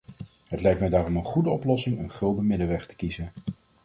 Het lijkt mij daarom een goede oplossing een gulden middenweg te kiezen.